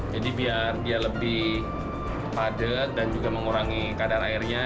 jadi biar dia lebih padet dan juga mengurangi keadaan airnya